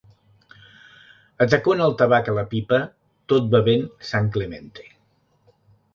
Atacona el tabac a la pipa tot bevent Sanclemente.